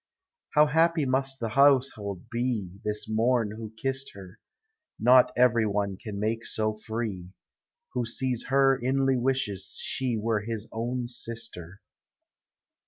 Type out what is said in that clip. How happy must the household be, This morn who kissed her; Not every one can make so free ; Who sees her, inly wishes she Were his own sister.